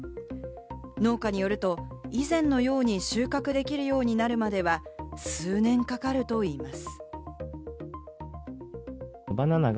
農家によると、以前のように収穫できるようになるまでは数年かかるといいます。